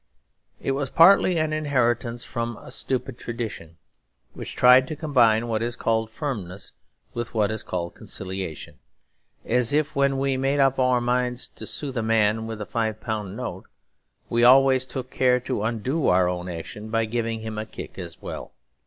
It was partly an inheritance from a stupid tradition, which tried to combine what it called firmness with what it called conciliation; as if when we made up our minds to soothe a man with a five pound note, we always took care to undo our own action by giving him a kick as well.